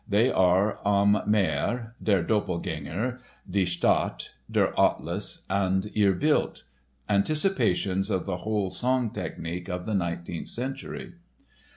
They are Am Meer, Der Doppelgänger, Die Stadt, Der Atlas and Ihr Bild, anticipations of the whole song technic of the nineteenth century!